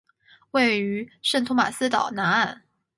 位于圣托马斯岛南岸。